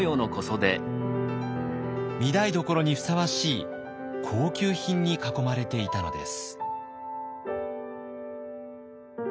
御台所にふさわしい高級品に囲まれていたのです。